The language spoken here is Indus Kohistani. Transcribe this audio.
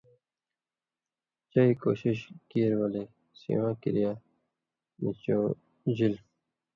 چئ کؤشیشہ کیریۡ ولے سِواں کِریا نیۡ ڇؤژِلوۡ۔